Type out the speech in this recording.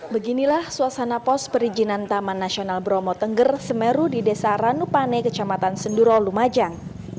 beginilah suasana pos perizinan taman nasional bromo tengger semeru di desa ranupane kecamatan senduro lumajang